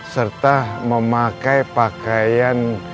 serta memakai pakaian